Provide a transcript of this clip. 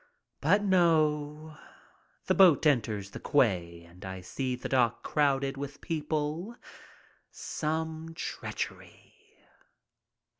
But no. The boat enters the quay and I see the dock crowded with people. Some treach ery.